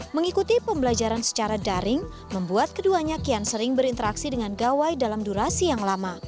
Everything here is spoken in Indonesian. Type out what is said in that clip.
mengikuti pembelajaran secara daring membuat keduanya kian sering berinteraksi dengan gawai dalam durasi yang lama